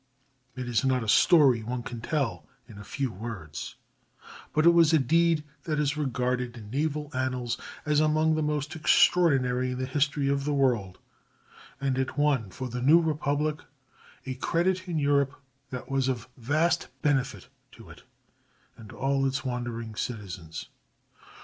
It is not a story one can tell in a few words, but it was a deed that is regarded in naval annals as among the most extraordinary in the history of the world, and it won for the new republic a credit in Europe that was of vast benefit to it and all its wandering citizens.